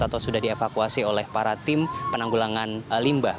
atau sudah dievakuasi oleh para tim penanggulangan limbah